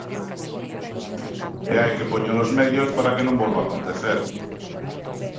E hai que poñer os medios para que non volva acontecer.